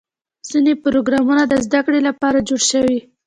ځینې پروګرامونه د زدهکړې لپاره جوړ شوي.